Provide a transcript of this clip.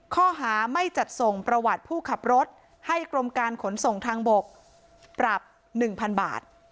ข้อหาไม่จัดส่งประวัติผู้ขับรถให้กรมการขนส่งทางบกปรับ๑๐๐๐บาท